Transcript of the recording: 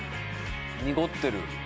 濁ってる。